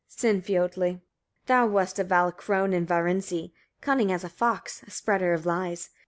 Sinfiotli. 37. Thou wast a Valacrone in Varinsey, cunning as a fox, a spreader of lies.